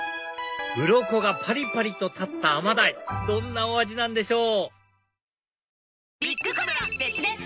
うろこがパリパリと立ったアマダイどんなお味なんでしょう？